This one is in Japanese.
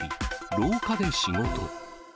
廊下で仕事。